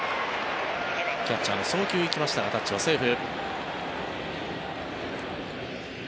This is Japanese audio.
キャッチャーの送球行きましたがタッチはセーフ。